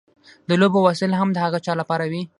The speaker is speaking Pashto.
د لوبو وسایل هم د هغه چا لپاره وي.